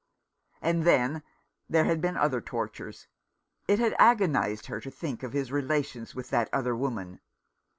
And then there had been other tortures. It had agonized her to think of his relations with that other woman.